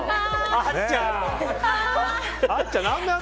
あっちゃん